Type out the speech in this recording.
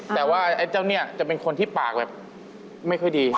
แต่ว่าไอ้เจ้าเนี่ยจะเป็นคนที่ปากแบบไม่ค่อยดี